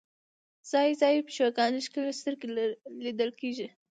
ځای ځای د پیشوګانو ښکلې سترګې لیدل کېږي.